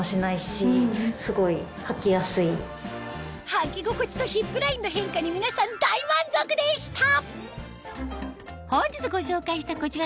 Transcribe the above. はき心地とヒップラインの変化に皆さん大満足でした！